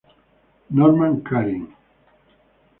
Norman Karin.